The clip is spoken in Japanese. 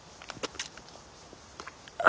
あ。